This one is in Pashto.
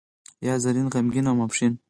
یا زرین، غمګین او ماپښین.